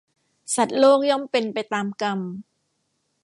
สัตว์โลกย่อมเป็นไปตามกรรม